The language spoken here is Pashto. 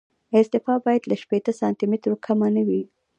ارتفاع باید له شپېته سانتي مترو کمه نه وي